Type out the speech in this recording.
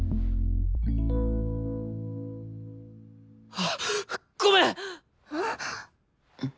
あ！ごめん！